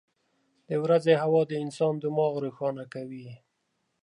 • د ورځې هوا د انسان دماغ روښانه کوي.